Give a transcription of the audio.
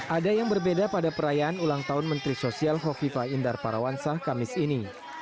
ada yang berbeda pada perayaan ulang tahun menteri sosial hovifa indar parawansa kamis ini